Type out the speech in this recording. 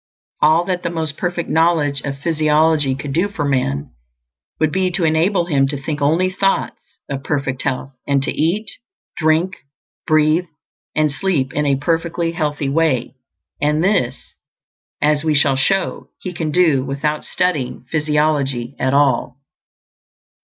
All that the most perfect knowledge of physiology could do for man would be to enable him to think only thoughts of perfect health, and to eat, drink, breathe, and sleep in a perfectly healthy way; and this, as we shall show, he can do without studying physiology at all.